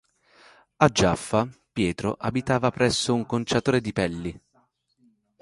A Giaffa, Pietro abitava presso un conciatore di pelli.